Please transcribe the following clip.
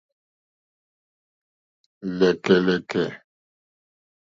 Lɛ̀kɛ́lɛ̀kɛ̀.